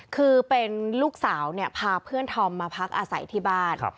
คือเป็นลูกสาวเนี่ยพาเพื่อนธอมมาพักอาศัยที่บ้าน